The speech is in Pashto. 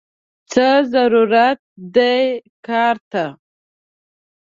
څه ضرورت دې کار ته!!